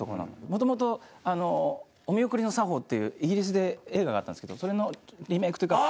もともと「おみおくりの作法」っていうイギリスで映画があったんですけどそれのリメークというか。